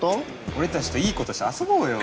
俺たちといいことして遊ぼうよ